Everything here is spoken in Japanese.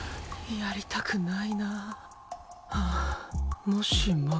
やりたくない。